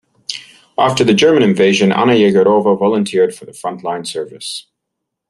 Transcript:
After the German invasion Anna Yegorova volunteered for the frontline service.